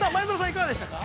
いかがでしたか。